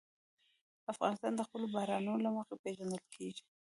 افغانستان د خپلو بارانونو له مخې پېژندل کېږي.